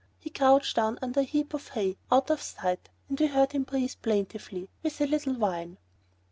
He crouched down under a heap of hay out of sight, but we heard him breathe plaintively, with a little whine.